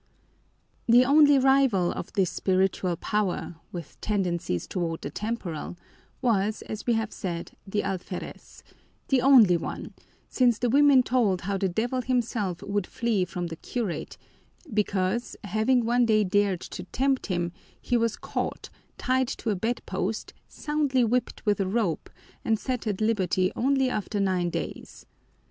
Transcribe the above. The only rival of this spiritual power, with tendencies toward the temporal, was, as we have said, the alferez: the only one, since the women told how the devil himself would flee from the curate, because, having one day dared to tempt him, he was caught, tied to a bedpost, soundly whipped with a rope, and set at liberty only after nine days.